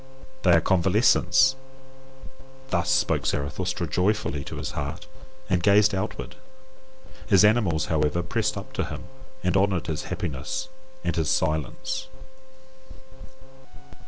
They are CONVALESCENTS!" Thus spake Zarathustra joyfully to his heart and gazed outward; his animals, however, pressed up to him, and honoured his happiness and his silence.